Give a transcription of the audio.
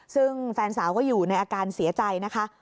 ซึ่งแฟนสาวก็อยู่ในอาการเสียใจนะคะ